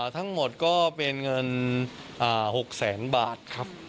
ทั้งหมดก็เป็นเงิน๖แสนบาทครับ